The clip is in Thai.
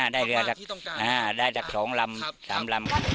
ได้เหลือสัก๒๓ลำ